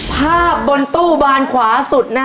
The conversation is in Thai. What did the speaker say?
ภาพบนตู้บานขวาสุดนะฮะ